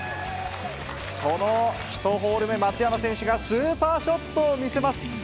その１ホール目、松山選手がスーパーショットを見せます。